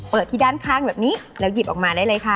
ที่ด้านข้างแบบนี้แล้วหยิบออกมาได้เลยค่ะ